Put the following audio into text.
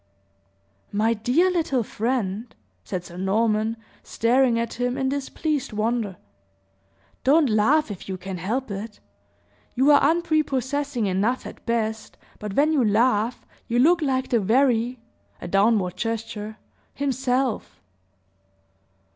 "My dear little friend," said Sir Norman, staring at him in displeased wonder, "don't laugh, if you can help it. You are unprepossessing enough at best, but when you laugh, you look like the very (a downward gesture) himself!"